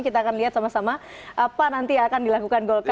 kita akan lihat sama sama apa nanti yang akan dilakukan golkar